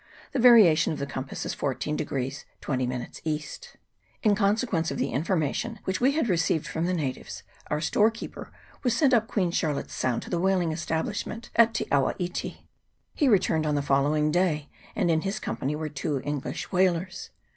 The variation of the compass is 14 20' E. In consequence of the information which we had received from the natives, our storekeeper was sent up Queen Charlotte's Sound to the whaling esta blishment at Te awa iti. He returned on the follow ing day, and in his company were two English whalers.